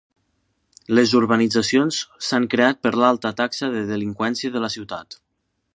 Les urbanitzacions s'han creat per l'alta taxa de delinqüència de la ciutat.